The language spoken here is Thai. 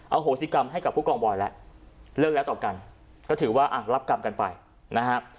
โหสิกรรมให้กับผู้กองบอยแล้วเลิกแล้วต่อกันก็ถือว่าอ่ะรับกรรมกันไปนะฮะ